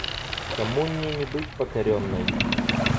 Коммуне не быть покоренной.